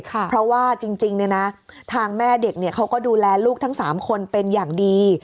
เพราะว่าจริงทางแม่เด็กเขาก็ดูแลลูกทั้ง๓คนเป็นอย่างดี